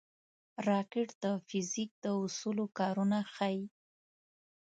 راکټ د فزیک د اصولو کارونه ښيي